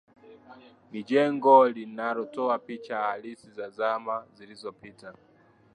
Ni jengo linatoa picha halisi ya zama zilizopita